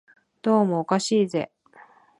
どうもおかしいぜ